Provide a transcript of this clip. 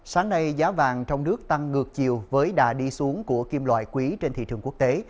sáng nay giá vàng trong nước tăng ngược chiều với đà đi xuống của kim loại quý trên thị trường quốc tế